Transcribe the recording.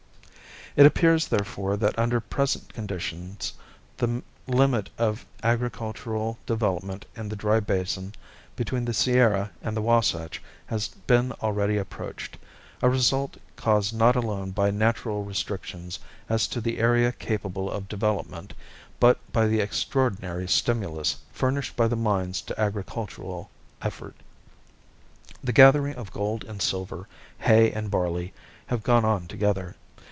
It appears, therefore, that under present conditions the limit of agricultural development in the dry basin between the Sierra and the Wahsatch has been already approached, a result caused not alone by natural restrictions as to the area capable of development, but by the extraordinary stimulus furnished by the mines to agricultural effort. The gathering of gold and silver, hay and barley, have gone on together.